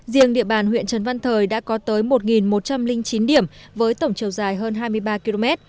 riêng địa bàn huyện trần văn thời đã có tới một một trăm linh chín điểm với tổng chiều dài hơn hai mươi ba km